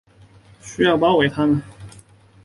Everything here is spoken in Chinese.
需要包围他们